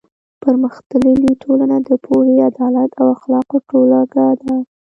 پرمختللې ټولنه د پوهې، عدالت او اخلاقو ټولګه ده.